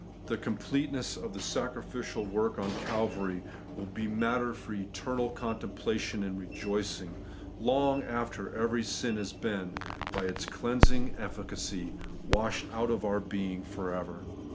The completeness of the sacrificial work on Calvary will be matter for eternal contempla tion and rejoicing, long after every sin has been, by its cleansing efl&cacy, washed out of our being for ever.